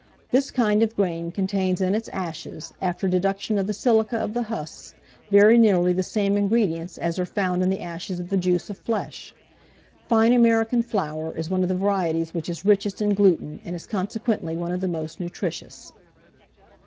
This kind of grain contains in its ashes, after deduction of the silica of the husks, very nearly the same ingredients as are found in the ashes of the juice of flesh. Fine American flour is one of the varieties which is richest in gluten, and is consequently one of the most nutritious.